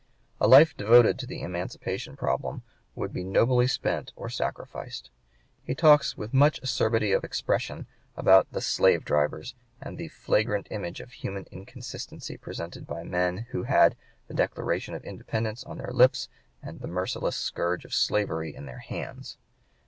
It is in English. "A life devoted to" the emancipation problem "would be nobly spent or sacrificed." He talks with much acerbity of expression about the "slave drivers," and the "flagrant image of human inconsistency" presented by men who had "the Declaration of Independence on their lips and the merciless scourge of slavery in their hands."